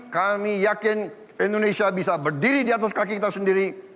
kami yakin indonesia bisa berdiri di atas kaki kita sendiri